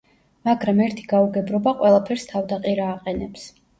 მაგრამ ერთი გაუგებრობა ყველაფერს თავდაყირა აყენებს.